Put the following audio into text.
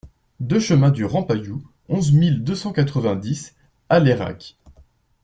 deux chemin du Rampaillou, onze mille deux cent quatre-vingt-dix Alairac